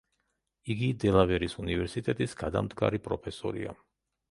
იგი დელავერის უნივერსიტეტის გადამდგარი პროფესორია.